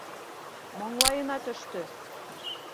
Маңлайына төштө!